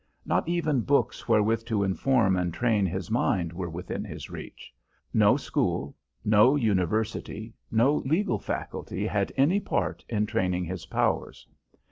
Not even books wherewith to inform and train his mind were within his reach. No school, no university, no legal faculty had any part in training his powers.